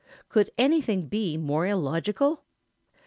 Could anything be more illogical?